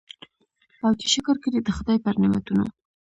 او چي شکر کړي د خدای پر نعمتونو